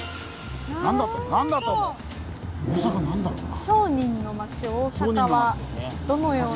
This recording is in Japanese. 大阪何だろうな？